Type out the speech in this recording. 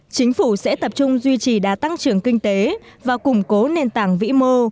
chính phủ sẽ tập trung duy trì đa tăng trưởng kinh tế và củng cố nền tảng vĩ mô